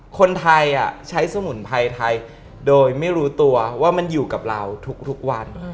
คนไทยใช้สมุนไพรไทยโดยไม่รู้ตัวว่ามันอยู่กับเราทุกวัน